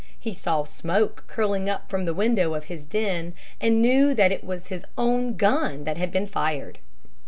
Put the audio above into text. He saw smoke curling up from the window of his "den," and knew that it was his own gun that had been fired.